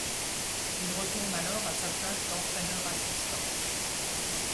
Il retourne alors à sa place d'entraîneur assistant.